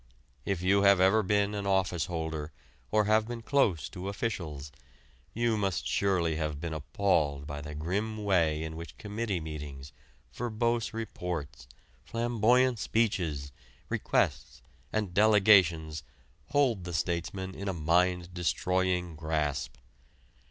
If you have ever been an office holder or been close to officials, you must surely have been appalled by the grim way in which committee meetings, verbose reports, flamboyant speeches, requests, and delegations hold the statesman in a mind destroying grasp.